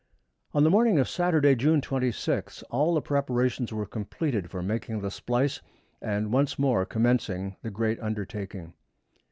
On the morning of Saturday, June 26th, all the preparations were completed for making the splice and once more commencing the great undertaking.